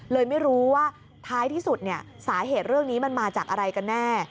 เลยไม่รู้ว่าท้ายที่สุดเนี่ยสาเหตุเรื่องนี้มันมาจากอะไรกันแน่